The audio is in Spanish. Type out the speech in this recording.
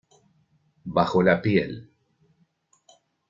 Bajo la piel.